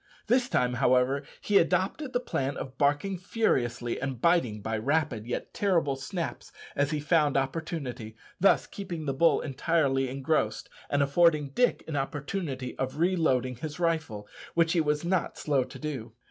This time, however, he adopted the plan of barking furiously and biting by rapid yet terrible snaps as he found opportunity, thus keeping the bull entirely engrossed, and affording Dick an opportunity of reloading his rifle, which he was not slow to do.